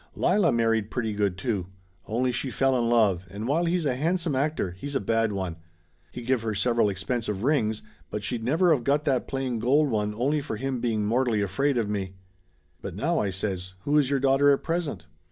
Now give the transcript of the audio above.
Lila married pretty good, too. Only she fell in love, and while he's a handsome actor, he's a bad one. He give her several expensive rings, but she'd never of got that plain gold one only for him being mortally afraid of me." "But now," I says, "who is your daughter at present